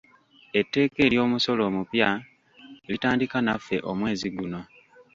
Etteeka ery'omusolo omupya litandika naffe omwezi guno.